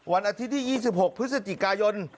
วันอาทิตย์ที่ยี่สิบหกพฤศจิกายน